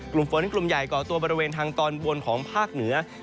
กลุ่มฝนกลุ่มใหญ่ก่อตัวบริเวณทางตอนบนของภาคเหนือ